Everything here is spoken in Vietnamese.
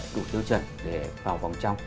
đủ tiêu chuẩn để vào vòng trong